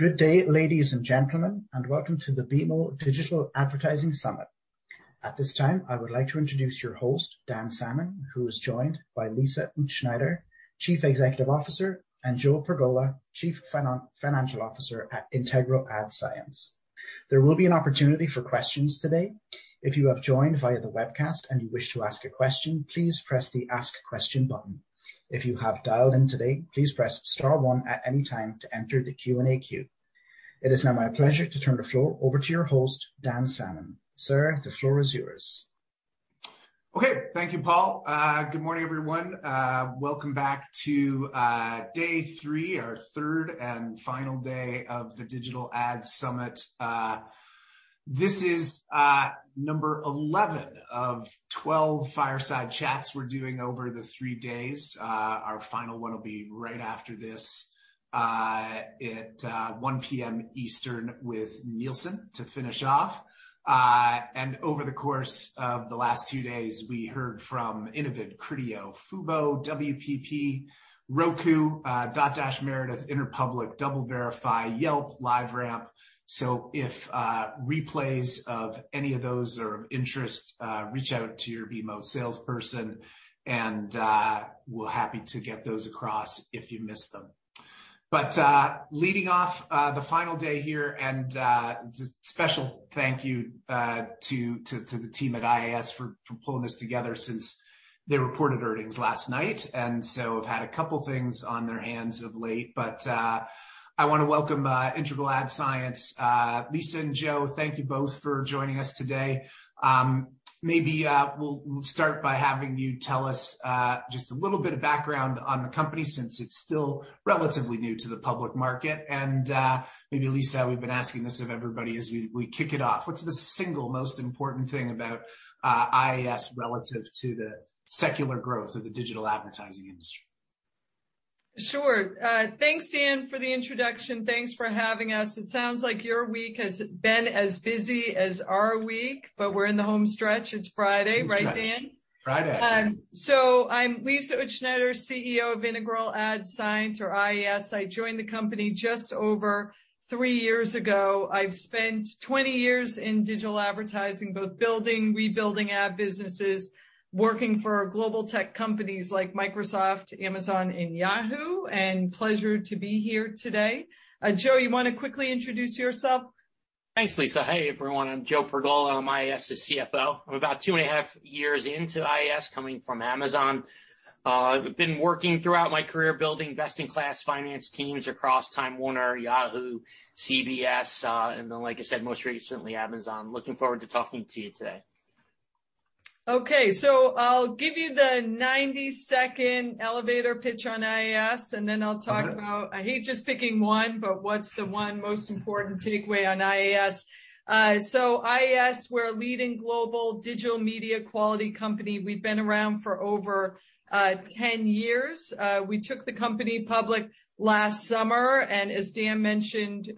Good day, ladies and gentlemen, and welcome to the BMO Digital Advertising Summit. At this time, I would like to introduce your host, Dan Salmon, who is joined by Lisa Utzschneider, Chief Executive Officer, and Joe Pergola, Chief Financial Officer at Integral Ad Science. There will be an opportunity for questions today. If you have joined via the webcast and you wish to ask a question, please press the Ask Question button. If you have dialed in today, please press star one at any time to enter the Q&A queue. It is now my pleasure to turn the floor over to your host, Dan Salmon. Sir, the floor is yours. Okay. Thank you, Paul. Good morning, everyone. Welcome back to day three, our third and final day of the Digital Ad Summit. This is number 11 fireside chat of 12 fireside chats we're doing over the three days. Our final one will be right after this at 1:00 P.M. Eastern with Nielsen to finish off. Over the course of the last two days, we heard from Innovid, Criteo, Fubo, WPP, Roku, Dotdash, Meredith, Interpublic, DoubleVerify, Yelp, LiveRamp. If replays of any of those are of interest, reach out to your BMO salesperson, and we're happy to get those across if you missed them. Leading off the final day here, just special thank you to the team at IAS for pulling this together since they reported earnings last night. Have had a couple things on their hands of late. I wanna welcome Integral Ad Science. Lisa and Joe, thank you both for joining us today. Maybe we'll start by having you tell us just a little bit of background on the company since it's still relatively new to the public market. Maybe Lisa, we've been asking this of everybody as we kick it off. What's the single most important thing about IAS relative to the secular growth of the digital advertising industry? Sure. Thanks, Dan, for the introduction. Thanks for having us. It sounds like your week has been as busy as our week, but we're in the home stretch. It's Friday, right, Dan? Friday. I'm Lisa Utzschneider, Chief Executive Officer of Integral Ad Science or IAS. I joined the company just over three years ago. I've spent 20 years in digital advertising, both building, rebuilding ad businesses, working for global tech companies like Microsoft, Amazon, and Yahoo, and pleasure to be here today. Joe, you wanna quickly introduce yourself? Thanks, Lisa. Hey, everyone. I'm Joe Pergola. I'm IAS's Chief Financial Officer. I'm about two and a half years into IAS, coming from Amazon. I've been working throughout my career building best-in-class finance teams across Time Warner, Yahoo, CBS, and then, like I said, most recently, Amazon. Looking forward to talking to you today. Okay, I'll give you the 90-second elevator pitch on IAS, and then I'll talk about. Okay. I hate just picking one, but what's the one most important takeaway on IAS? IAS, we're a leading global digital media quality company. We've been around for over 10 years. We took the company public last summer, and as Dan mentioned,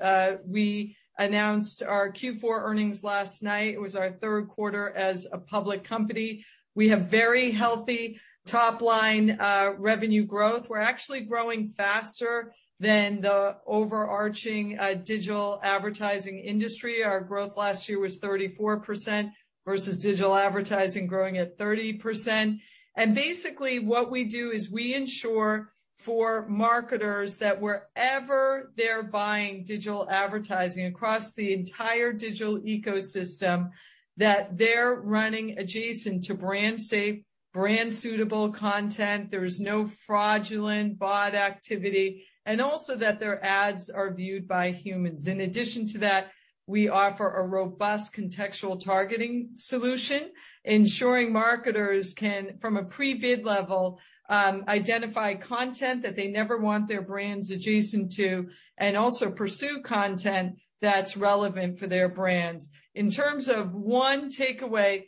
we announced our Q4 earnings last night. It was our third quarter as a public company. We have very healthy top line revenue growth. We're actually growing faster than the overarching digital advertising industry. Our growth last year was 34% versus digital advertising growing at 30%. Basically, what we do is we ensure for marketers that wherever they're buying digital advertising across the entire digital ecosystem, that they're running adjacent to brand safe, brand suitable content, there's no fraudulent bot activity, and also that their ads are viewed by humans. In addition to that, we offer a robust contextual targeting solution, ensuring marketers can, from a pre-bid level, identify content that they never want their brands adjacent to, and also pursue content that's relevant for their brands. In terms of one takeaway,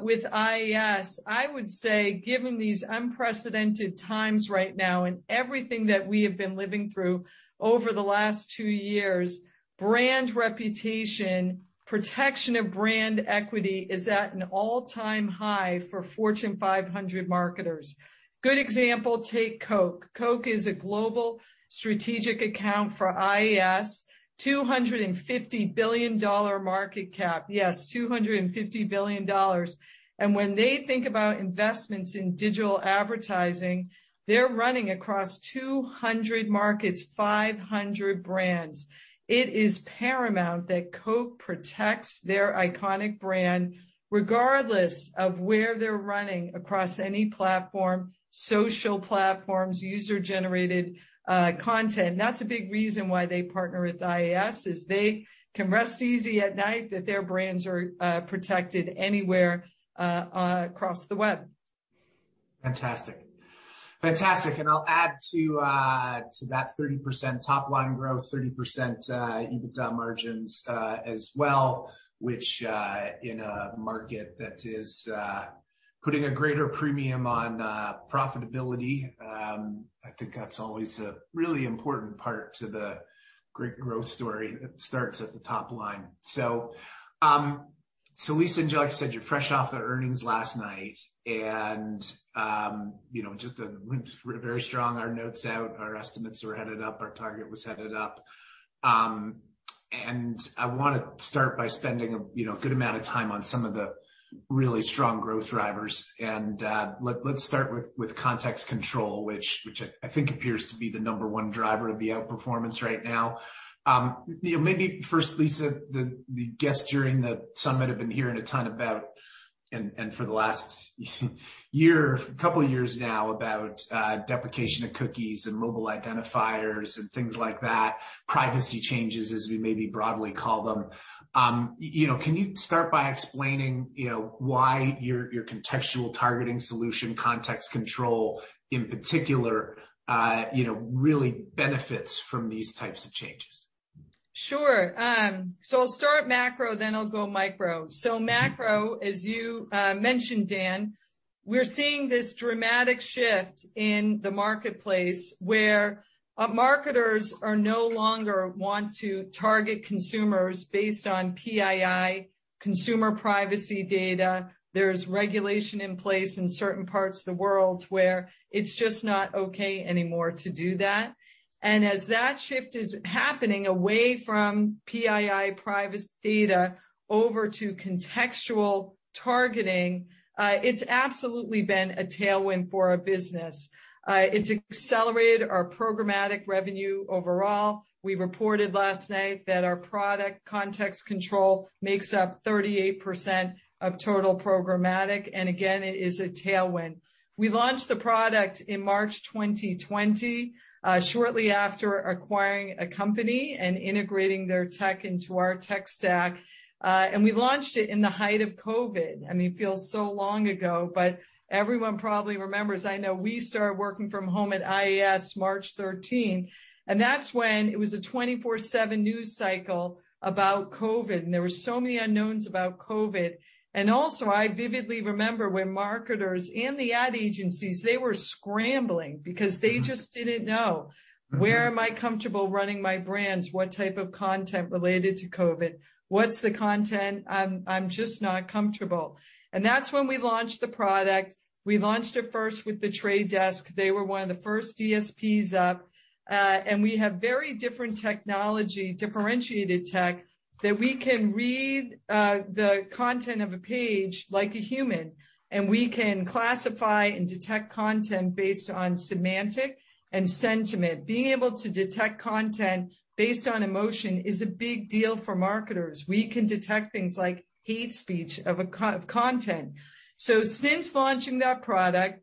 with IAS, I would say, given these unprecedented times right now and everything that we have been living through over the last two years, brand reputation, protection of brand equity is at an all-time high for Fortune 500 marketers. Good example, take Coke. Coke is a global strategic account for IAS. $250 billion market cap. Yes, $250 billion. When they think about investments in digital advertising, they're running across 200 markets, 500 brands. It is paramount that Coke protects their iconic brand regardless of where they're running across any platform, social platforms, user-generated content. That's a big reason why they partner with IAS, is they can rest easy at night that their brands are protected anywhere across the web. Fantastic. I'll add to that 30% top line growth, 30% EBITDA margins as well, which in a market that is putting a greater premium on profitability, I think that's always a really important part to the great growth story. It starts at the top line. Lisa and Joe, like I said, you're fresh off the earnings last night, and you know, just went very strong. Our notes out, our estimates were headed up, our target was headed up. I wanna start by spending a you know, good amount of time on some of the really strong growth drivers. Let's start with Context Control, which I think appears to be the number one driver of the outperformance right now. You know, maybe first, Lisa, the guests during the summit have been hearing a ton about, and for the last year, couple of years now, about deprecation of cookies and mobile identifiers and things like that, privacy changes, as we maybe broadly call them. You know, can you start by explaining, you know, why your contextual targeting solution, Context Control, in particular, really benefits from these types of changes? I'll start macro, then I'll go micro. Macro, as you mentioned, Dan, we're seeing this dramatic shift in the marketplace where marketers no longer want to target consumers based on PII, consumer privacy data. There's regulation in place in certain parts of the world where it's just not okay anymore to do that. As that shift is happening away from PII privacy data over to contextual targeting, it's absolutely been a tailwind for our business. It's accelerated our programmatic revenue overall. We reported last night that our product, Context Control, makes up 38% of total programmatic, and again, it is a tailwind. We launched the product in March 2020, shortly after acquiring a company and integrating their tech into our tech stack. We launched it in the height of COVID. I mean, it feels so long ago, but everyone probably remembers. I know we started working from home at IAS, March 13, and that's when it was a 24/7 news cycle about COVID. There were so many unknowns about COVID. Also, I vividly remember when marketers and the ad agencies, they were scrambling because they just didn't know, where am I comfortable running my brands? What type of content related to COVID? What's the content? I'm just not comfortable. That's when we launched the product. We launched it first with The Trade Desk. They were one of the first DSPs up. We have very different technology, differentiated tech, that we can read the content of a page like a human, and we can classify and detect content based on semantic and sentiment. Being able to detect content based on emotion is a big deal for marketers. We can detect things like hate speech or other content. Since launching that product,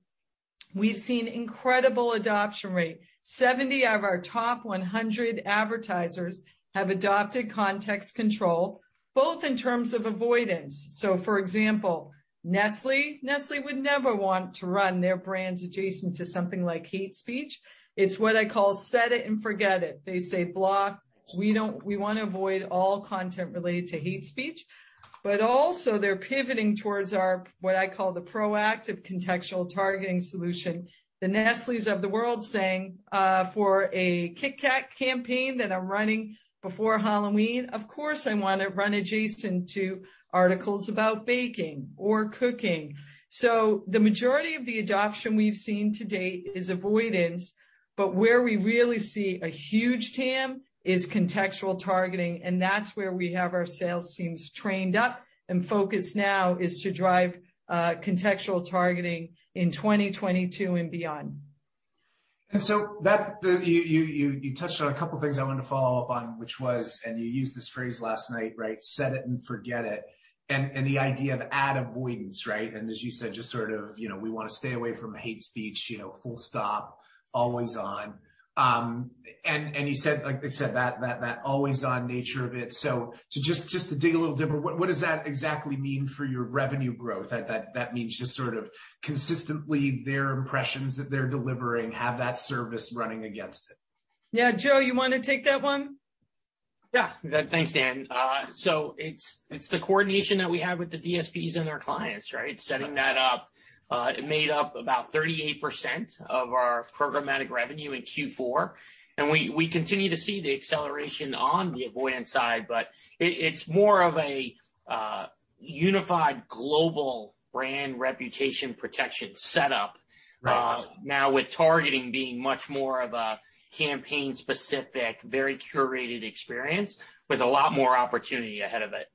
we've seen incredible adoption rate. 70 of our top 100 advertisers have adopted Context Control, both in terms of avoidance. For example, Nestlé. Nestlé would never want to run their brand adjacent to something like hate speech. It's what I call set it and forget it. They say, block. We wanna avoid all content related to hate speech. But also, they're pivoting towards our, what I call the proactive contextual targeting solution. The Nestlés of the world saying, for a KitKat campaign that I'm running before Halloween, of course, I wanna run adjacent to articles about baking or cooking. The majority of the adoption we've seen to date is avoidance, but where we really see a huge TAM is contextual targeting, and that's where we have our sales teams trained up. Focus now is to drive contextual targeting in 2022 and beyond. You touched on a couple things I wanted to follow up on, which was, and you used this phrase last night, right? Set it and forget it. The idea of ad avoidance, right? As you said, just sort of, you know, we wanna stay away from hate speech, you know, full stop, always on. You said, like you said, that always on nature of it. To dig a little deeper, what does that exactly mean for your revenue growth? That means just sort of consistently their impressions that they're delivering have that service running against it. Yeah. Joe, you wanna take that one? Yeah. Thanks, Dan. It's the coordination that we have with the DSPs and their clients, right? Right. Setting that up, it made up about 38% of our programmatic revenue in Q4. We continue to see the acceleration on the avoidance side, but it's more of a unified global brand reputation protection setup. Right Now with targeting being much more of a campaign-specific, very curated experience with a lot more opportunity ahead of it.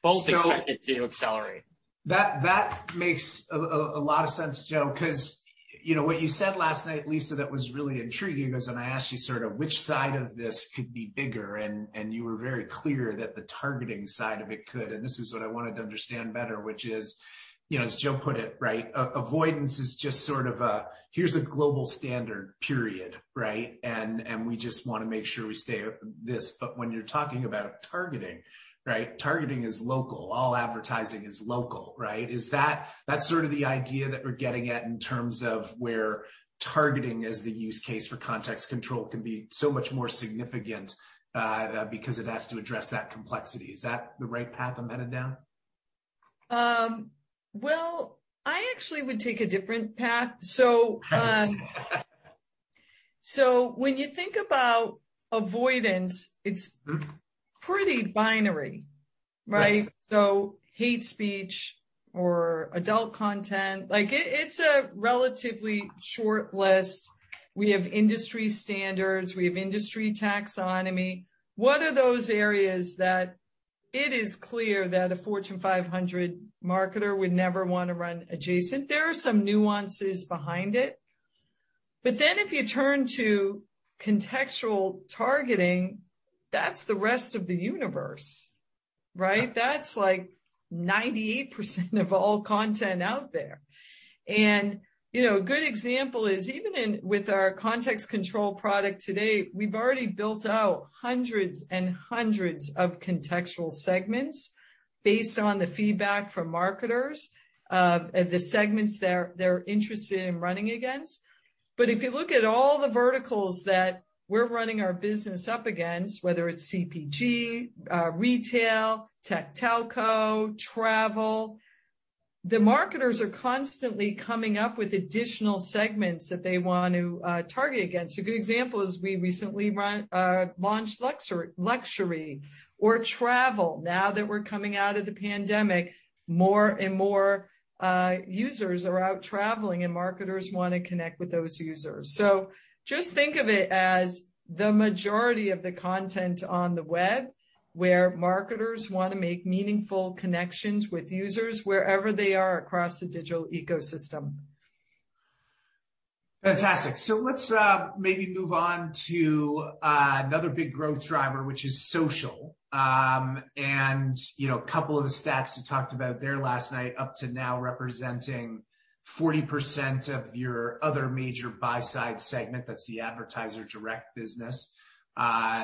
Both expected to accelerate. That makes a lot of sense, Joe, 'cause, you know, what you said last night, Lisa, that was really intriguing was when I asked you sort of which side of this could be bigger, and you were very clear that the targeting side of it could. This is what I wanted to understand better, which is, you know, as Joe put it, right, avoidance is just sort of a, here's a global standard, period, right? We just wanna make sure we stay this. When you're talking about targeting, right? Targeting is local. All advertising is local, right? That's sort of the idea that we're getting at in terms of where targeting is the use case for Context Control can be so much more significant, because it has to address that complexity. Is that the right path I'm headed down? Well, I actually would take a different path. When you think about avoidance, it's pretty binary, right? Yes. Hate speech or adult content, like it's a relatively short list. We have industry standards, we have industry taxonomy. What are those areas that it is clear that a Fortune 500 marketer would never wanna run adjacent? There are some nuances behind it. If you turn to contextual targeting, that's the rest of the universe, right? That's like 98% of all content out there. You know, a good example is even with our Context Control product today, we've already built out hundreds and hundreds of contextual segments based on the feedback from marketers, the segments they're interested in running against. If you look at all the verticals that we're running our business up against, whether it's CPG, retail, tech, telco, travel, the marketers are constantly coming up with additional segments that they want to target against. A good example is we recently launched luxury or travel. Now that we're coming out of the pandemic, more and more users are out traveling, and marketers wanna connect with those users. Just think of it as the majority of the content on the web where marketers wanna make meaningful connections with users wherever they are across the digital ecosystem. Fantastic. Let's maybe move on to another big growth driver, which is social. You know, a couple of the stats you talked about there last night, up to now representing 40% of your other major buy-side segment, that's the advertiser direct business.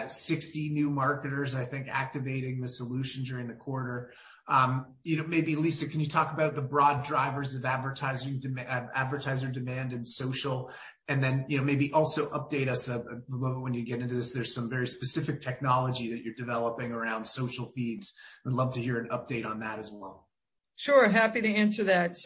60 new marketers, I think, activating the solution during the quarter. You know, maybe Lisa, can you talk about the broad drivers of advertiser demand and social? And then, you know, maybe also update us. We love when you get into this, there's some very specific technology that you're developing around social feeds. We'd love to hear an update on that as well. Sure. Happy to answer that.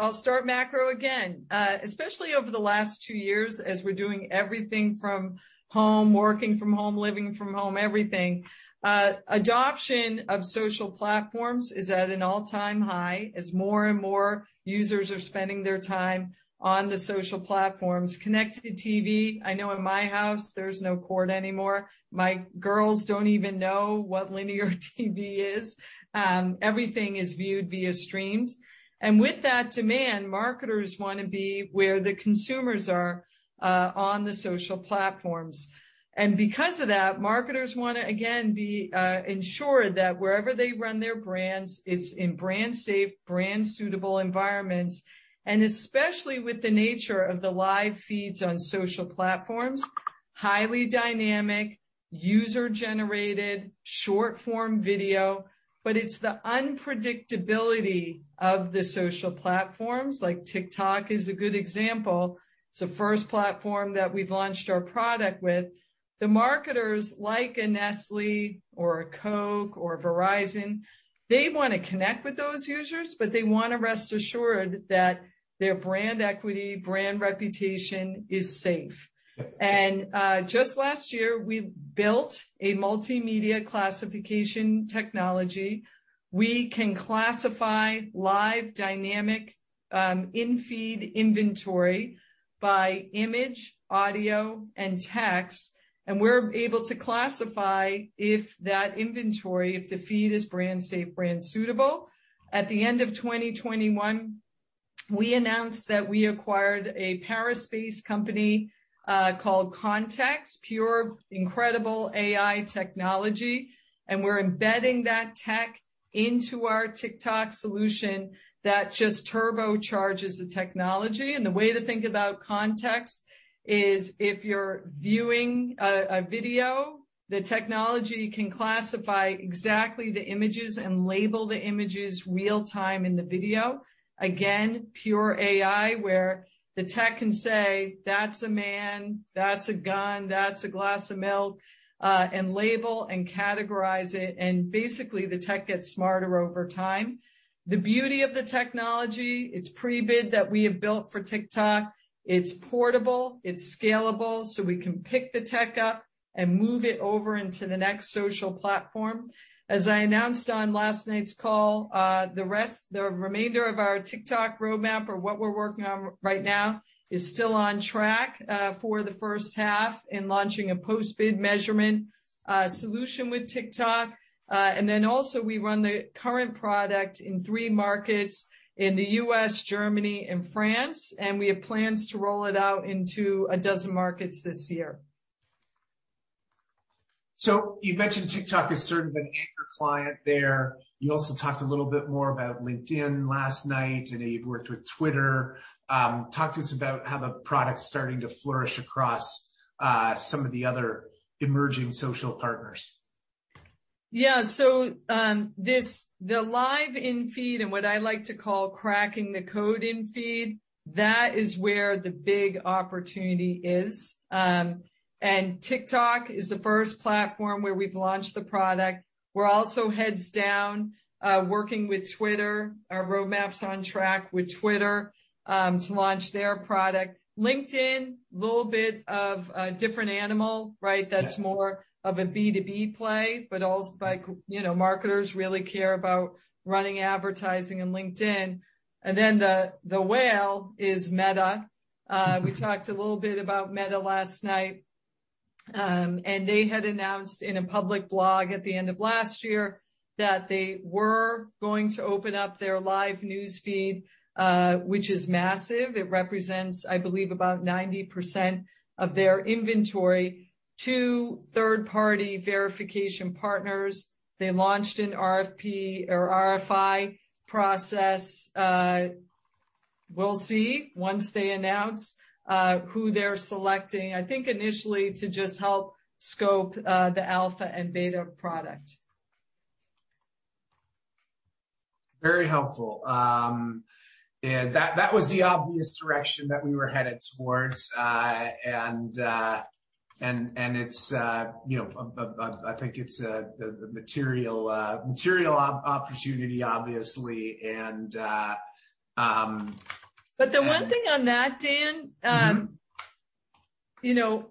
I'll start macro again. Especially over the last two years as we're doing everything from home, working from home, living from home, everything, adoption of social platforms is at an all-time high as more and more users are spending their time on the social platforms. Connected TV, I know in my house there's no cord anymore. My girls don't even know what linear TV is. Everything is viewed via streams. With that demand, marketers wanna be where the consumers are, on the social platforms. Because of that, marketers wanna again ensure that wherever they run their brands, it's in brand safe, brand suitable environments. Especially with the nature of the live feeds on social platforms, highly dynamic, user-generated, short-form video, but it's the unpredictability of the social platforms, like TikTok is a good example. It's the first platform that we've launched our product with. The marketers like a Nestlé or a Coke or a Verizon, they wanna connect with those users, but they wanna rest assured that their brand equity, brand reputation is safe. Just last year, we built a multimedia classification technology. We can classify live dynamic, in-feed inventory by image, audio, and text, and we're able to classify if that inventory, if the feed is brand safe, brand suitable. At the end of 2021, we announced that we acquired a Paris-based company, called Context, purely incredible AI technology, and we're embedding that tech into our TikTok solution that just turbocharges the technology. The way to think about context is if you're viewing a video, the technology can classify exactly the images and label the images real-time in the video. Again, pure AI where the tech can say, "That's a man, that's a gun, that's a glass of milk," and label and categorize it, and basically the tech gets smarter over time. The beauty of the technology, it's pre-bid that we have built for TikTok. It's portable, it's scalable, so we can pick the tech up and move it over into the next social platform. As I announced on last night's call, the remainder of our TikTok roadmap or what we're working on right now is still on track, for the first half in launching a post-bid measurement solution with TikTok. We run the current product in three markets in the U.S., Germany, and France, and we have plans to roll it out into a dozen markets this year. You mentioned TikTok is sort of an anchor client there. You also talked a little bit more about LinkedIn last night, I know you've worked with Twitter. Talk to us about how the product's starting to flourish across some of the other emerging social partners. Yeah. This, the live in-feed and what I like to call cracking the code in-feed, that is where the big opportunity is. TikTok is the first platform where we've launched the product. We're also heads down, working with Twitter. Our roadmap's on track with Twitter, to launch their product. LinkedIn, little bit of a different animal, right? Yeah. That's more of a B2B play, but like, you know, marketers really care about running advertising in LinkedIn. The whale is Meta. We talked a little bit about Meta last night. They had announced in a public blog at the end of last year that they were going to open up their live news feed, which is massive. It represents, I believe, about 90% of their inventory to third-party verification partners. They launched an RFP, or RFI process. We'll see once they announce who they're selecting, I think initially to just help scope the alpha and beta product. Very helpful. Yeah, that was the obvious direction that we were headed towards. I think it's the material opportunity, obviously. The one thing on that, Dan. Mm-hmm. You know,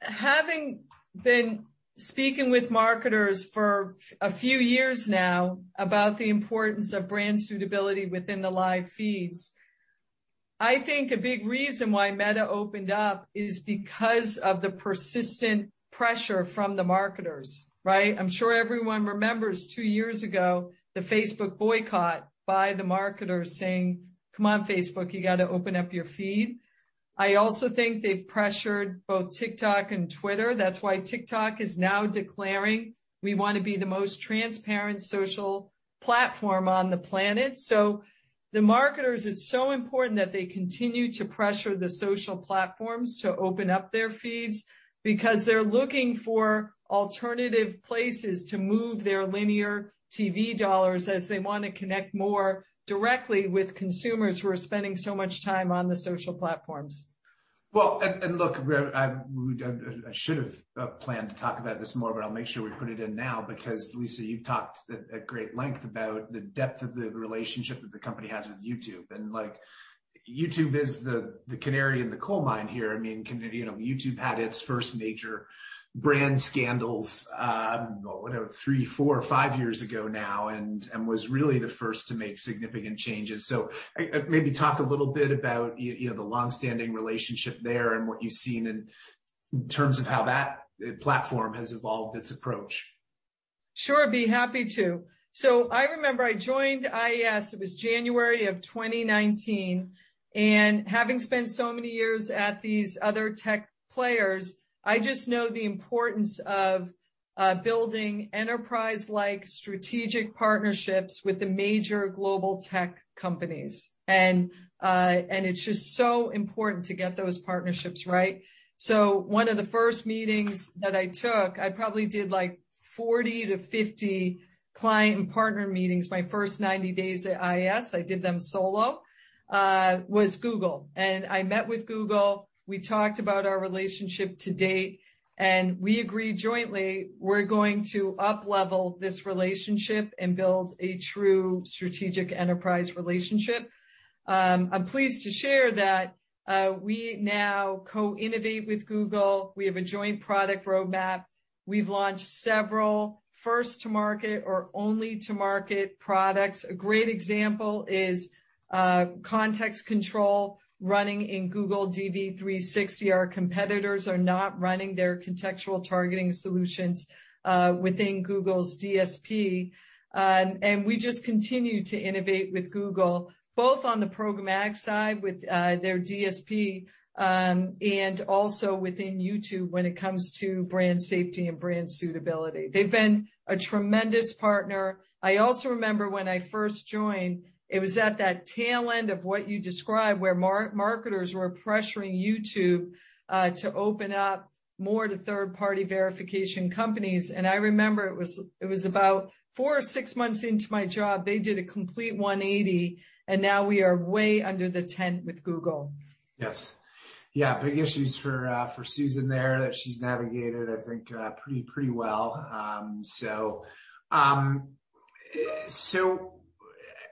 having been speaking with marketers for few years now about the importance of brand suitability within the live feeds, I think a big reason why Meta opened up is because of the persistent pressure from the marketers, right? I'm sure everyone remembers two years ago, the Facebook boycott by the marketers saying, "Come on, Facebook, you gotta open up your feed." I also think they've pressured both TikTok and Twitter. That's why TikTok is now declaring, "We wanna be the most transparent social platform on the planet." The marketers, it's so important that they continue to pressure the social platforms to open up their feeds because they're looking for alternative places to move their linear TV dollars as they wanna connect more directly with consumers who are spending so much time on the social platforms. Well, look, we should have planned to talk about this more, but I'll make sure we put it in now because Lisa, you talked at great length about the depth of the relationship that the company has with YouTube. Like, YouTube is the canary in the coal mine here. I mean, you know, YouTube had its first major brand scandals, I don't know, whatever, three, four or five years ago now, and was really the first to make significant changes. Maybe talk a little bit about you know, the long-standing relationship there and what you've seen in terms of how that platform has evolved its approach. Sure, be happy to. I remember I joined IAS, it was January of 2019, and having spent so many years at these other tech players, I just know the importance of building enterprise-like strategic partnerships with the major global tech companies. It's just so important to get those partnerships right. One of the first meetings that I took, I probably did like 40-50 client and partner meetings my first 90 days at IAS, I did them solo, was Google. I met with Google, we talked about our relationship to date, and we agreed jointly, we're going to uplevel this relationship and build a true strategic enterprise relationship. I'm pleased to share that, we now co-innovate with Google. We have a joint product roadmap. We've launched several first-to-market or only-to-market products. A great example is Context Control running in Google DV360. Our competitors are not running their contextual targeting solutions within Google's DSP. We just continue to innovate with Google, both on the programmatic side with their DSP and also within YouTube when it comes to brand safety and brand suitability. They've been a tremendous partner. I also remember when I first joined, it was at that tail end of what you described, where marketers were pressuring YouTube to open up more to third-party verification companies. I remember it was about four or six months into my job, they did a complete 180, and now we are way under the tent with Google. Yes. Yeah. Big issues for Susan there that she's navigated, I think, pretty well.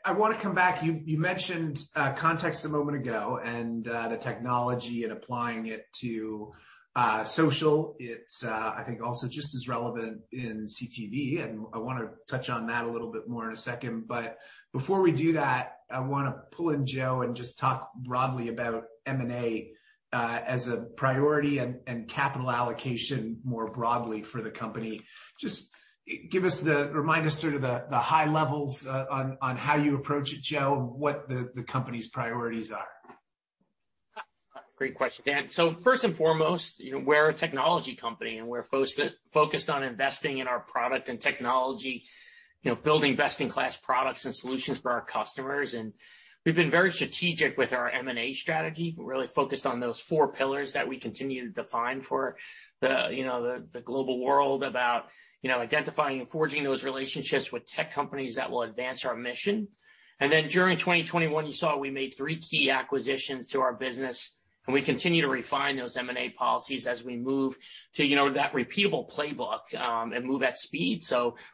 I wanna come back. You mentioned Context a moment ago and the technology and applying it to social. It's, I think, also just as relevant in CTV, and I wanna touch on that a little bit more in a second. Before we do that, I wanna pull in Joe and just talk broadly about M&A as a priority and capital allocation more broadly for the company. Just remind us sort of the high levels on how you approach it, Joe, and what the company's priorities are. Great question, Dan. First and foremost, you know, we're a technology company, and we're focused on investing in our product and technology. You know, building best-in-class products and solutions for our customers. We've been very strategic with our M&A strategy. We're really focused on those four pillars that we continue to define for the, you know, the global world about, you know, identifying and forging those relationships with tech companies that will advance our mission. Then during 2021, you saw we made three key acquisitions to our business, and we continue to refine those M&A policies as we move to, you know, that repeatable playbook, and move at speed.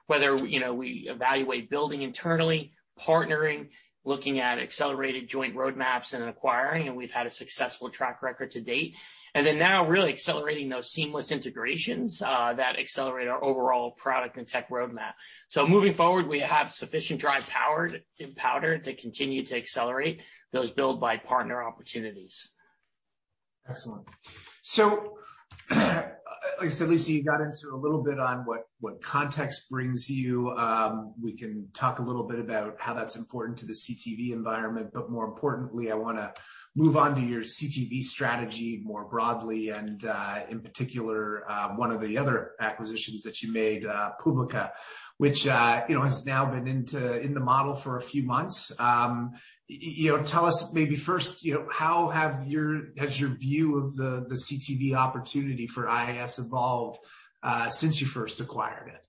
Whether, you know, we evaluate building internally, partnering, looking at accelerated joint roadmaps and acquiring, and we've had a successful track record to date. Now really accelerating those seamless integrations that accelerate our overall product and tech roadmap. Moving forward, we have sufficient dry powder to continue to accelerate those build-by-partner opportunities. Excellent. Like I said, Lisa, you got into a little bit on what context brings you. We can talk a little bit about how that's important to the CTV environment, but more importantly, I wanna move on to your CTV strategy more broadly and, in particular, one of the other acquisitions that you made, Publica, which, you know, has now been in the model for a few months. You know, tell us maybe first, you know, how has your view of the CTV opportunity for IAS evolved since you first acquired it?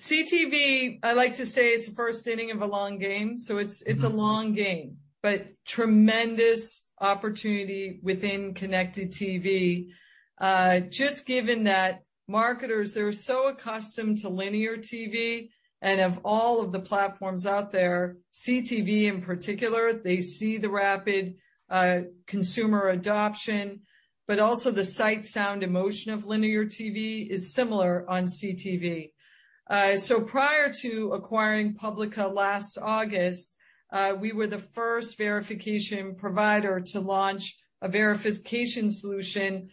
CTV, I like to say it's the first inning of a long game, so it's. Mm-hmm. It's a long game, but tremendous opportunity within connected TV. Just given that marketers, they're so accustomed to linear TV, and of all of the platforms out there, CTV in particular, they see the rapid consumer adoption, but also the sight, sound, and motion of linear TV is similar on CTV. Prior to acquiring Publica last August, we were the first verification provider to launch a verification solution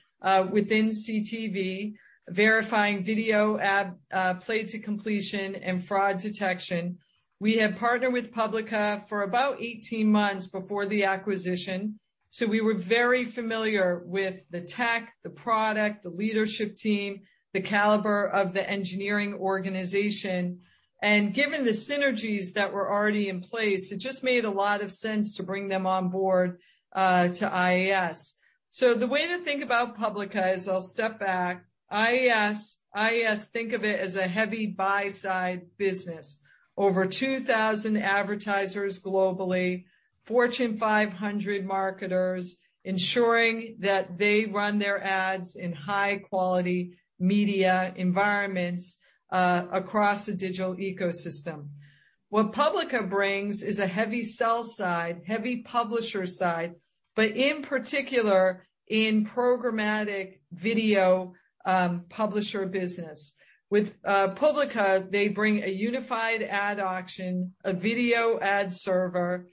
within CTV, verifying video ad play to completion and fraud detection. We had partnered with Publica for about 18 months before the acquisition, so we were very familiar with the tech, the product, the leadership team, the caliber of the engineering organization. Given the synergies that were already in place, it just made a lot of sense to bring them on board to IAS. The way to think about Publica is, I'll step back, IAS, think of it as a heavy buy-side business. Over 2000 advertisers globally, Fortune 500 marketers, ensuring that they run their ads in high-quality media environments across the digital ecosystem. What Publica brings is a heavy sell side, heavy publisher side, but in particular in programmatic video, publisher business. With Publica, they bring a unified ad auction, a video ad server,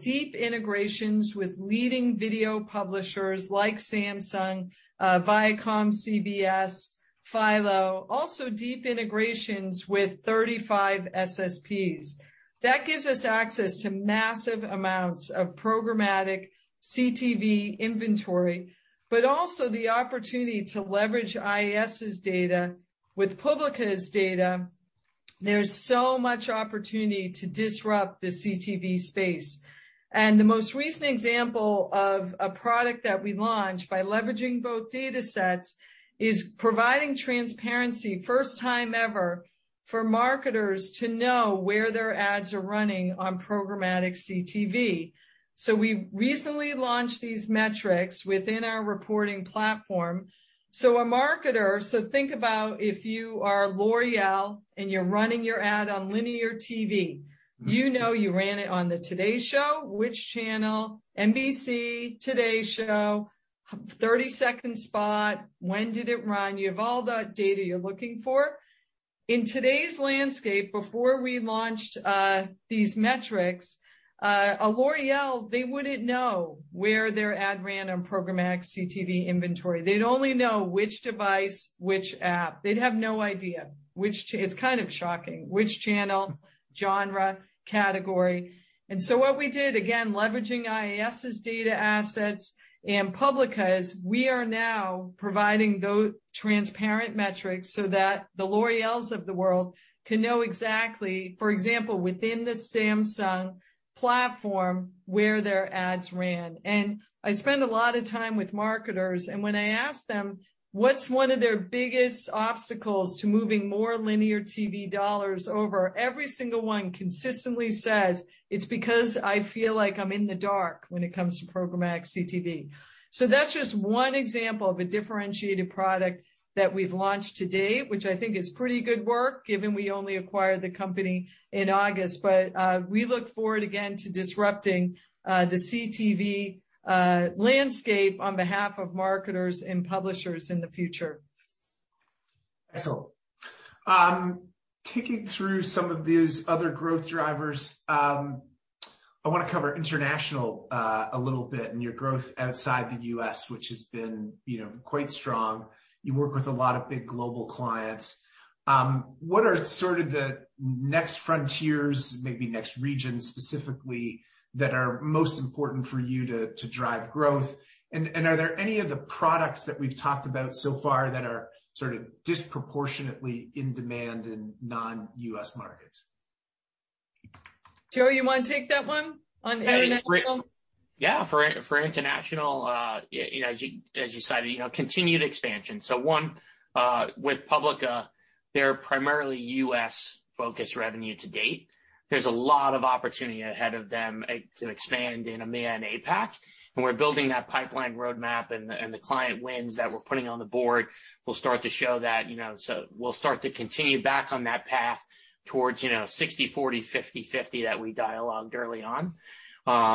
deep integrations with leading video publishers like Samsung, ViacomCBS, CBS, Philo, also deep integrations with 35 SSPs. That gives us access to massive amounts of programmatic CTV inventory, but also the opportunity to leverage IAS's data with Publica's data. There's so much opportunity to disrupt the CTV space. The most recent example of a product that we launched by leveraging both datasets is providing transparency, first time ever, for marketers to know where their ads are running on programmatic CTV. We recently launched these metrics within our reporting platform. Think about if you are L'Oréal and you're running your ad on linear TV. Mm-hmm. You know you ran it on the Today Show, which channel, NBC, Today Show, 30-second spot. When did it run? You have all the data you're looking for. In today's landscape, before we launched these metrics, a L'Oréal, they wouldn't know where their ad ran on programmatic CTV inventory. They'd only know which device, which app. They'd have no idea it's kind of shocking, which channel, genre, category. What we did, again, leveraging IAS's data assets and Publica's, we are now providing transparent metrics so that the L'Oréals of the world can know exactly, for example, within the Samsung platform, where their ads ran. I spend a lot of time with marketers, and when I ask them, what's one of their biggest obstacles to moving more linear TV dollars over? Every single one consistently says, "It's because I feel like I'm in the dark when it comes to programmatic CTV." That's just one example of a differentiated product that we've launched to date, which I think is pretty good work, given we only acquired the company in August. We look forward again to disrupting the CTV landscape on behalf of marketers and publishers in the future. Excellent. Ticking through some of these other growth drivers, I wanna cover international, a little bit and your growth outside the U.S., which has been, you know, quite strong. You work with a lot of big global clients. What are sort of the next frontiers, maybe next regions specifically, that are most important for you to drive growth? Are there any of the products that we've talked about so far that are sort of disproportionately in demand in non-U.S. markets? Joe, you wanna take that one on international? For international, you know, as you cited, you know, continued expansion. One with Publica, they're primarily U.S.-focused revenue to date. There's a lot of opportunity ahead of them to expand in EMEA and APAC, and we're building that pipeline roadmap and the client wins that we're putting on the board will start to show that, you know. We'll start to continue back on that path towards, you know, 60/40, 50/50 that we dialogued early on.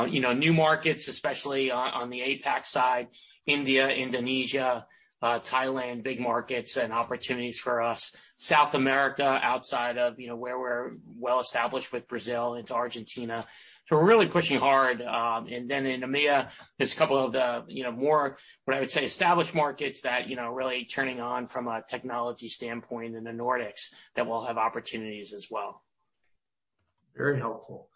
You know, new markets, especially on the APAC side, India, Indonesia, Thailand, big markets and opportunities for us. South America, outside of, you know, where we're well-established with Brazil into Argentina. We're really pushing hard. in EMEA, there's a couple of the, you know, more, what I would say, established markets that, you know, are really turning on from a technology standpoint in the Nordics that will have opportunities as well. Very helpful.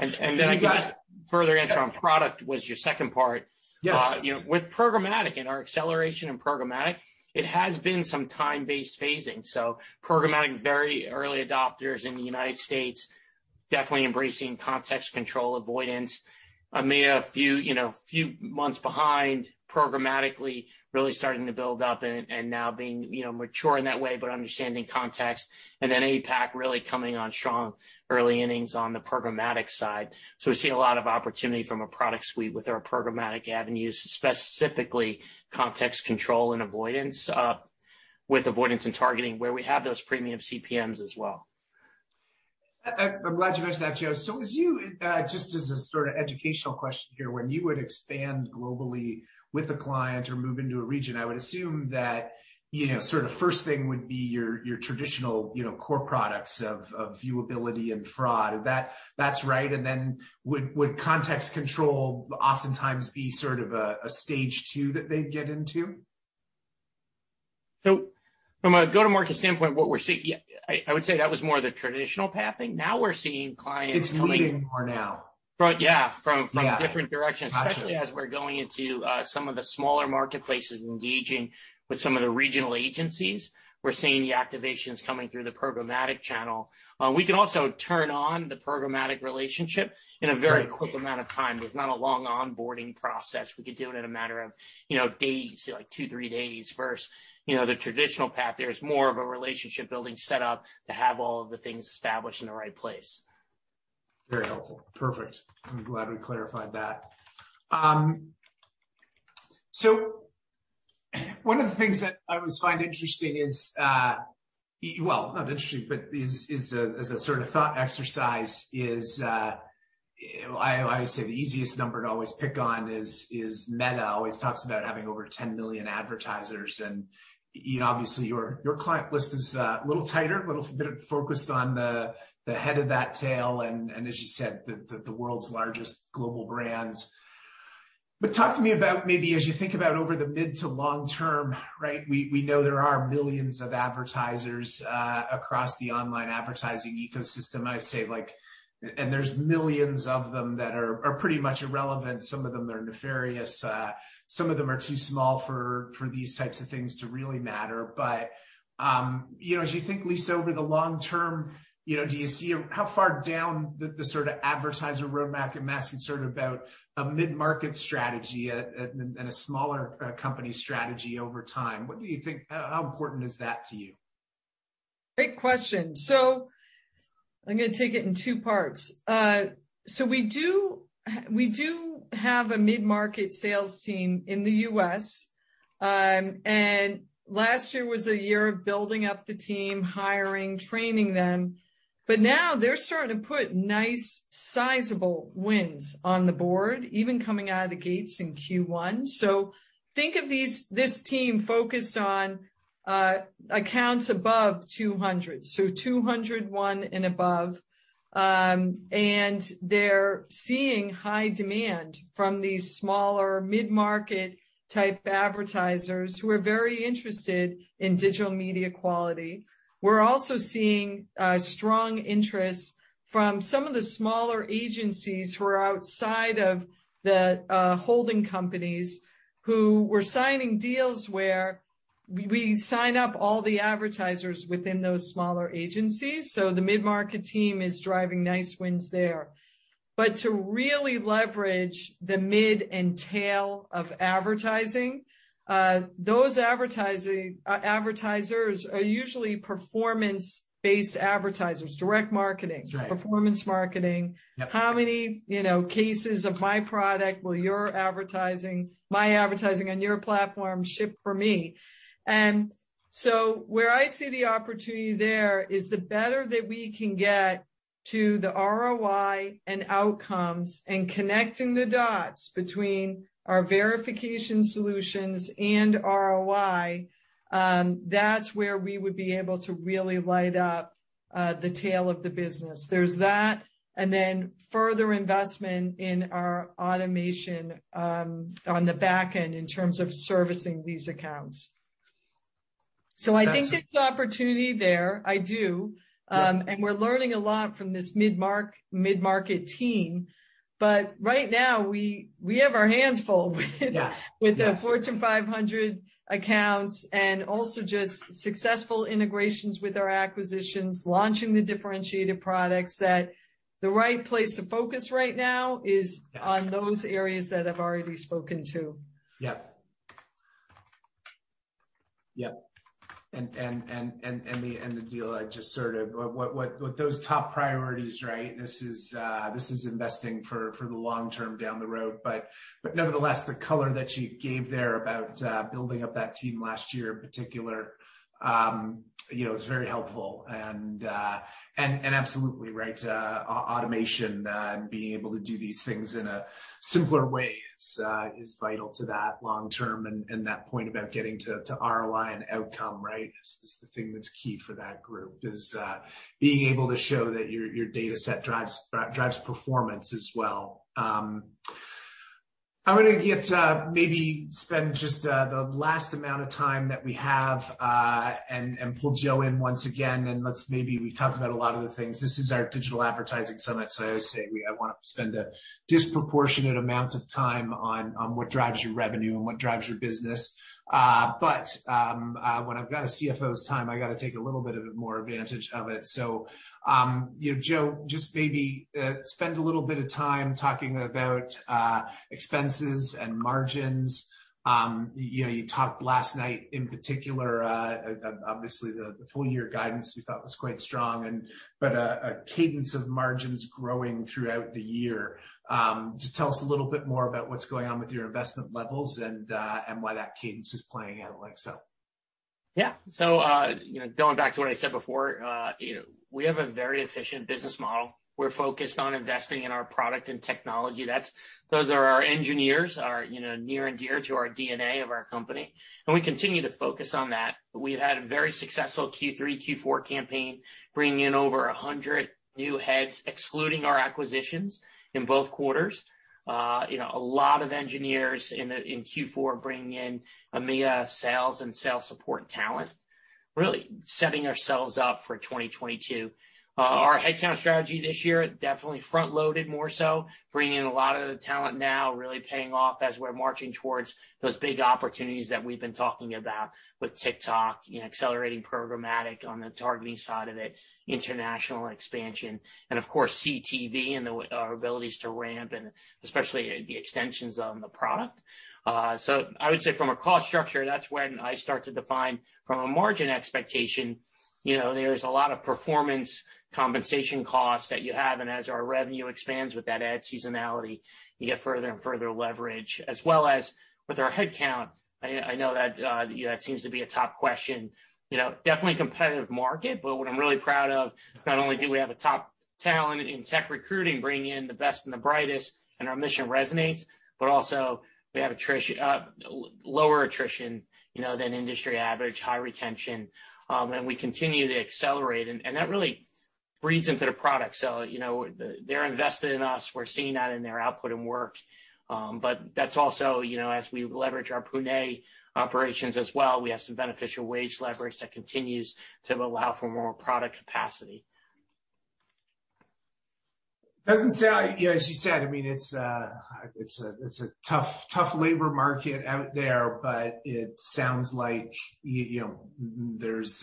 I got further answer on product was your second part. Yes. You know, with programmatic and our acceleration in programmatic, it has been some time-based phasing. Programmatic, very early adopters in the United States, definitely embracing Context Control avoidance. EMEA a few, you know, a few months behind programmatically really starting to build up and now being, you know, mature in that way, but understanding context. Then APAC really coming on strong early innings on the programmatic side. We've seen a lot of opportunity from a product suite with our programmatic avenues, specifically Context Control and avoidance, with avoidance and targeting where we have those premium CPMs as well. I'm glad you mentioned that, Joe. As you just as a sort of educational question here, when you would expand globally with a client or move into a region, I would assume that, you know, sort of first thing would be your traditional, you know, core products of viewability and fraud. Is that right? Would Context Control oftentimes be sort of a stage two that they'd get into? From a go-to-market standpoint, what we're seeing. Yeah. I would say that was more the traditional pathing. Now we're seeing clients coming- It's leading more now. Yeah, from different directions. Got you. Especially as we're going into some of the smaller marketplaces and engaging with some of the regional agencies. We're seeing the activations coming through the programmatic channel. We can also turn on the programmatic relationship in a very quick amount of time. There's not a long onboarding process. We could do it in a matter of, you know, days, like two, three days versus, you know, the traditional path. There's more of a relationship building set up to have all of the things established in the right place. Very helpful. Perfect. I'm glad we clarified that. So one of the things that I always find interesting is, well, not interesting, but is a sort of thought exercise. I would say the easiest number to always pick on is Meta always talks about having over 10 million advertisers. You know, obviously your client list is a little tighter, a little bit focused on the head of that tail, and as you said, the world's largest global brands. Talk to me about maybe as you think about over the mid to long term, right? We know there are millions of advertisers across the online advertising ecosystem. I'd say like. There's millions of them that are pretty much irrelevant. Some of them are nefarious. Some of them are too small for these types of things to really matter. You know, as you think, Lisa, over the long term, you know, do you see how far down the sort of advertiser roadmap can IAS in sort of about a mid-market strategy and a smaller company strategy over time? What do you think? How important is that to you? Great question. I'm gonna take it in two parts. We do have a mid-market sales team in the U.S. Last year was a year of building up the team, hiring, training them. Now they're starting to put nice sizable wins on the board, even coming out of the gates in Q1. Think of this team focused on accounts above 200, so 201 and above. They're seeing high demand from these smaller mid-market type advertisers who are very interested in digital media quality. We're also seeing strong interest from some of the smaller agencies who are outside of the holding companies who were signing deals where we sign up all the advertisers within those smaller agencies. The mid-market team is driving nice wins there. To really leverage the mid and tail of advertising, those advertisers are usually performance-based advertisers, direct marketing- Right. Performance marketing. Yep. How many, you know, cases of my product will my advertising on your platform ship for me? Where I see the opportunity there is the better that we can get to the ROI and outcomes and connecting the dots between our verification solutions and ROI, that's where we would be able to really light up the tail of the business. There's that, and then further investment in our automation on the back end in terms of servicing these accounts. I think- That's- There's opportunity there, I do. Yeah. We're learning a lot from this mid-market team, but right now, we have our hands full with the- Yeah. Yes Fortune 500 accounts and also just successful integrations with our acquisitions, launching the differentiated products that the right place to focus right now is. Yeah on those areas that I've already spoken to. Yep. Yep. The deal I just sort of... What those top priorities, right? This is investing for the long term down the road. Nevertheless, the color that you gave there about building up that team last year in particular, you know, is very helpful. Absolutely right. Automation and being able to do these things in a simpler way is vital to that long term and that point about getting to ROI and outcome, right? Is the thing that's key for that group is being able to show that your data set drives performance as well. I'm gonna get... Maybe spend just the last amount of time that we have and pull Joe in once again, and let's maybe. We talked about a lot of the things. This is our Digital Advertising Summit, so I always say I wanna spend a disproportionate amount of time on what drives your revenue and what drives your business. When I've got a Chief Financial Officer's time, I gotta take a little bit more advantage of it. You know, Joe, just maybe spend a little bit of time talking about expenses and margins. You know, you talked last night in particular, obviously the full year guidance we thought was quite strong, but a cadence of margins growing throughout the year. Just tell us a little bit more about what's going on with your investment levels and why that cadence is playing out like so? Yeah, you know, going back to what I said before, you know, we have a very efficient business model. We're focused on investing in our product and technology. Those are our engineers, you know, near and dear to our DNA of our company. We continue to focus on that. We've had a very successful Q3, Q4 campaign, bringing in over 100 new heads, excluding our acquisitions in both quarters. A lot of engineers in Q4 bringing in EMEA sales and sales support talent, really setting ourselves up for 2022. Our headcount strategy this year, definitely front-loaded more so, bringing in a lot of the talent now, really paying off as we're marching towards those big opportunities that we've been talking about with TikTok, you know, accelerating programmatic on the targeting side of it, international expansion, and of course, CTV and our abilities to ramp, and especially the extensions on the product. So I would say from a cost structure, that's when I start to define from a margin expectation, you know, there's a lot of performance compensation costs that you have, and as our revenue expands with that ad seasonality, you get further and further leverage. As well as with our headcount, I know that, you know, that seems to be a top question. You know, definitely competitive market, but what I'm really proud of, not only do we have a top talent in tech recruiting bringing in the best and the brightest, and our mission resonates, but also we have lower attrition, you know, than industry average, high retention, and we continue to accelerate. That really breeds into the product. You know, they're invested in us. We're seeing that in their output and work. That's also, you know, as we leverage our Pune operations as well, we have some beneficial wage leverage that continues to allow for more product capacity. Doesn't sound. Yeah, as you said, I mean, it's a tough labor market out there, but it sounds like, you know, there's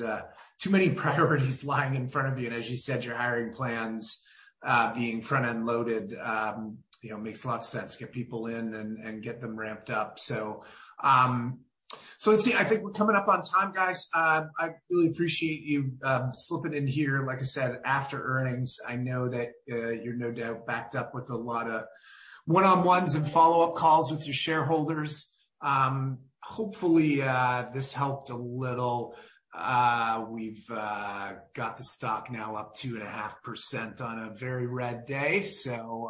too many priorities lying in front of you. As you said, your hiring plans being front-end loaded, you know, makes a lot of sense, get people in and get them ramped up. Let's see. I think we're coming up on time, guys. I really appreciate you slipping in here, like I said, after earnings. I know that you're no doubt backed up with a lot of one-on-ones and follow-up calls with your shareholders. Hopefully, this helped a little. We've got the stock now up 2.5% on a very red day, so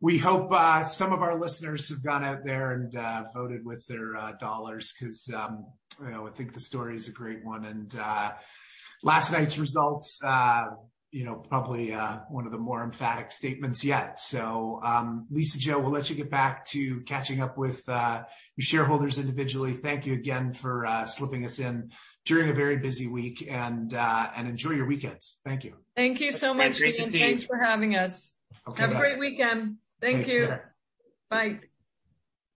we hope some of our listeners have gone out there and voted with their dollars 'cause you know, I think the story is a great one. Last night's results you know, probably one of the more emphatic statements yet. Lisa, Joe, we'll let you get back to catching up with your shareholders individually. Thank you again for slipping us in during a very busy week, and enjoy your weekends. Thank you. Thank you so much, Dan Salmon. Great. Great to see you. Thanks for having us. Okay. Have a great weekend. Thank you. Take care. Bye.